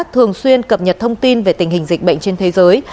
thường xuyên cập nhật thông tin về tình hình dịch bệnh trên thế giới